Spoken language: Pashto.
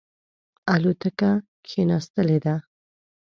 الوتکه کښېنستلې ده.